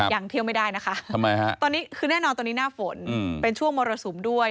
ยังเที่ยวไม่ได้นะคะตอนนี้คือแน่นอนตอนนี้หน้าฝนเป็นช่วงมรสุมด้วย